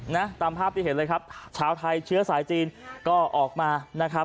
นะตามภาพที่เห็นเลยครับชาวไทยเชื้อสายจีนก็ออกมานะครับ